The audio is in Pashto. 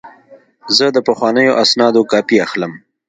زه د پخوانیو اسنادو کاپي اخلم.